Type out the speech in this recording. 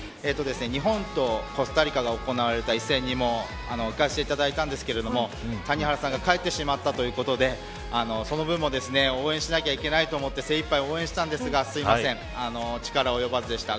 日本とコスタリカが行われた一戦にも行かせていただいたんですけど谷原さんが帰ってしまったということでその分も応援しないといけないと思って、精いっぱい応援したんですがすいません、力及ばずでした。